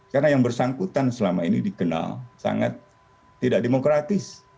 karena yang bersangkutan selama ini dikenal sangat tidak demokratis